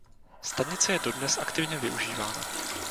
Stanice je dodnes aktivně využívána.